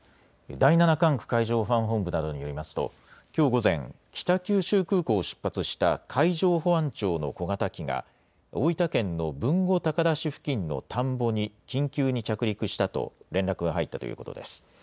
第７管区海上保安本部などによりますときょう午前、北九州空港を出発した海上保安庁の小型機が大分県の豊後高田市付近の田んぼに緊急に着陸したと連絡が入ったということです。